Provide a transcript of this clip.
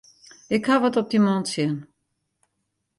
Ik haw wat op dy man tsjin.